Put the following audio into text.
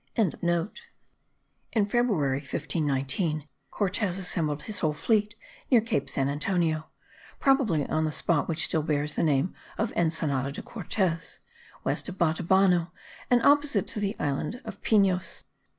]) In February, 1519, Cortes assembled his whole fleet near cape San Antonio, probably on the spot which still bears the name of Ensenada de Cortes, west of Batabano and opposite to the island of Pinos.